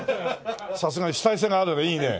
さすが主体性があるねいいね。